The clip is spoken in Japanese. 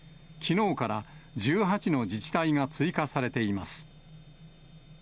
きのうから１８の自治体が追加されています。